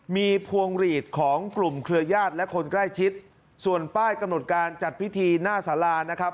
มีพวงหลีดของกลุ่มเครือญาติและคนใกล้ชิดส่วนป้ายกำหนดการจัดพิธีหน้าสารานะครับ